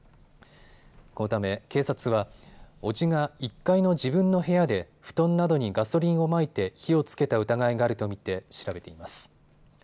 このため警察は伯父が１階の自分の部屋で布団などにガソリンをまいて火をつけた疑いがあると見て調べています。